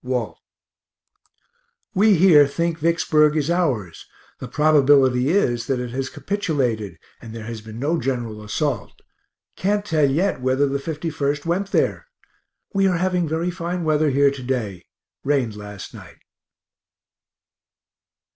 WALT. We here think Vicksburg is ours. The probability is that it has capitulated and there has been no general assault can't tell yet whether the 51st went there. We are having very fine weather here to day rained last night.